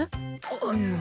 あの。